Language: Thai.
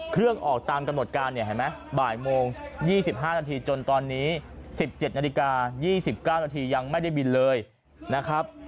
เครื่องออกตามกำหนดการเนี่ยเห็นไหมบ่ายโมง๒๕นาทีจนตอนนี้๑๗นาฬิกา๒๙นาทียังไม่ได้บินเลยนะครับ